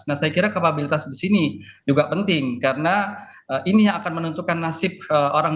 nah saya kira kapabilitas di sini juga penting karena ini yang akan menentukan nasib orang